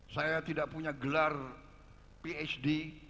saya tidak punya gelar psd